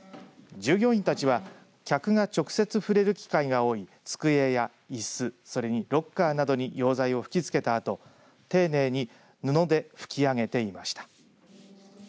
従業員たちは客が直接触れる機会が多い机やいすそれにロッカーなどに溶剤を吹きつけたあと、丁寧に布で拭き上げていました。